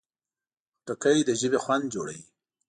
خټکی د ژبې خوند جوړوي.